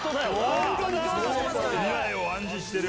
未来を暗示してる。